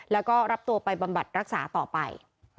แล้วก็รับตัวไปบำบัดรักษาต่อไป